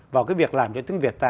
vào cái việc làm cho tiếng việt ta